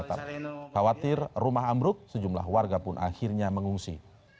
khawatir rumah ambruk sejumlah warga pun akhirnya mengungsi